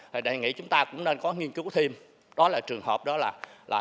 thì đề nghị chúng ta cũng nên có nghiên cứu thêm đó là trường hợp đó là